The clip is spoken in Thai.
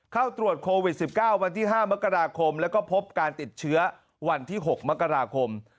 เข้าตรวจโควิด๑๙วันที่๕มกราคมแล้วก็พบการติดเชื้อวันที่๖มกราคม